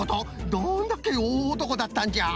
どんだけおおおとこだったんじゃ。